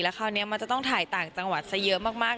คราวนี้มันจะต้องถ่ายต่างจังหวัดซะเยอะมาก